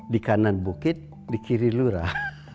di kanan bukit di kiri lurah